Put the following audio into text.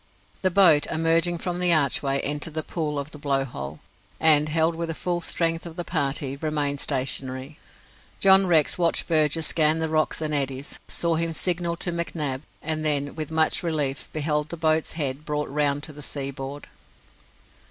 The boat, emerging from the archway, entered the pool of the Blow hole, and, held with the full strength of the party, remained stationary. John Rex watched Burgess scan the rocks and eddies, saw him signal to McNab, and then, with much relief, beheld the boat's head brought round to the sea board.